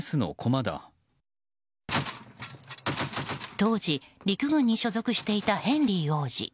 当時、陸軍に所属していたヘンリー王子。